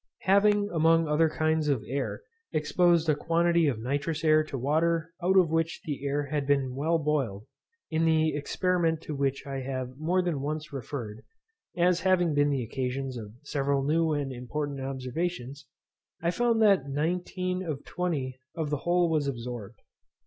Having, among other kinds of air, exposed a quantity of nitrous air to water out of which the air had been well boiled, in the experiment to which I have more than once referred (as having been the occasion of several new and important observations) I found that 19/20 of the whole was absorbed.